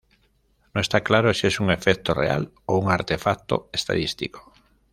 No está claro si es un efecto real o un artefacto estadístico.